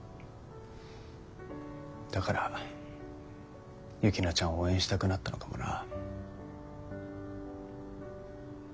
だから雪菜ちゃんを応援したくなったのかもな。